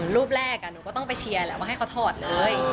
รูปแรกหนูก็ต้องไปเชียร์แหละว่าให้เขาถอดเลย